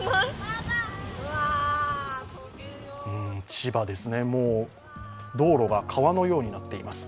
千葉ですね、道路が川のようになっています。